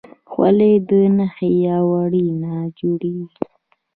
خولۍ د نخي یا وړۍ نه جوړیږي.